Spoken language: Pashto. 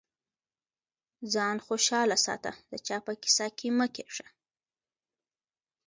ځان خوشاله ساته د چا په کيسه کي مه کېږه.